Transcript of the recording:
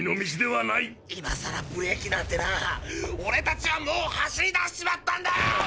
今さらブレーキなんてなオレたちはもう走りだしちまったんだよ！